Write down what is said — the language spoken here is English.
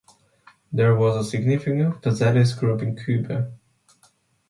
There was a significant Posadist group in Cuba.